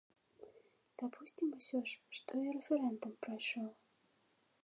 Дапусцім усё ж, што і рэферэндум прайшоў.